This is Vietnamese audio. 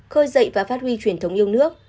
khơi dậy và phát huy truyền thống yêu nước